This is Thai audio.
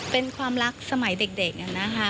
เป็นความรักสมัยเด็กนะคะ